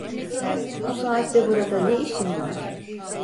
Bu saatte burada ne işin var?